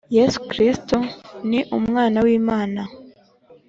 Yesu Kristo ni umwana w’Imana.